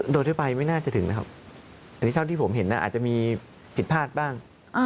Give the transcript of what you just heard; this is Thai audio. โดยทั่วไปไม่น่าจะถึงนะครับอันนี้เท่าที่ผมเห็นอาจจะมีผิดพลาดบ้าง